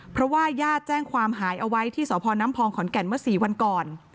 เพราะว่าญาติแจ้งความหายเอาไว้ที่สพน้ำพองขอนแก่นเมื่อ๔วันก่อน